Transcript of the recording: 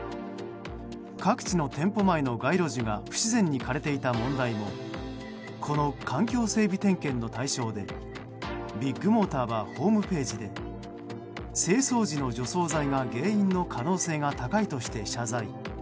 各地の店舗前の街路樹が不自然に枯れていた問題もこの環境整備点検の対象でビッグモーターはホームページで清掃時の除草剤が原因の可能性が高いとして謝罪。